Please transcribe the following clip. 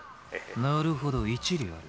なるほど一理ある。